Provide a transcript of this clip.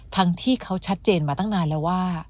ทั้งที่เขาชัดเจนมาตั้งนานแล้วว่า